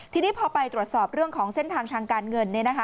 ทีนี้พอไปตรวจสอบเรื่องของเส้นทางทางการเงิน